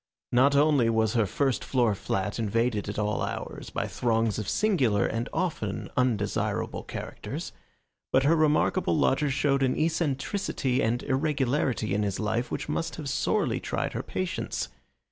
Not only was her first floor flat invaded at all hours by throngs of singular and often undesirable characters but her remarkable lodger showed an eccentricity and irregularity in his life which must have sorely tried her patience.